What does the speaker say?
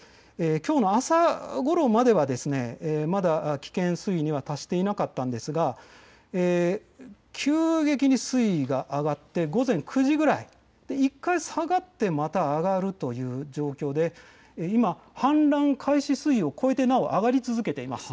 きょうの朝ごろまではまだ危険水位には達していなかったんですが急激に水位が上がって午前９時ぐらい、１回下がってまた上がるという状況で今、氾濫開始水位を越えてなお、上がり続けています。